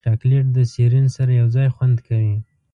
چاکلېټ د سیرین سره یوځای خوند کوي.